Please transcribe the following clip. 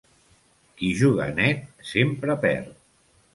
Qui juga net sempre perd.